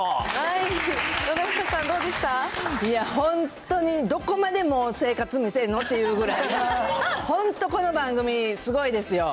いや、本当にどこまでも生活見せるの？っていうぐらい、本当、この番組、すごいですよ。